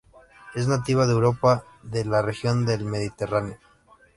Es nativa de Europa de la región del Mediterráneo.